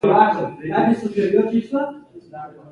د بادار کور ته به غنم او پروړه وړي.